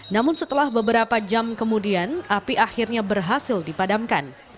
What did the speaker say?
namun setelah beberapa jam kemudian api akhirnya berhasil dipadamkan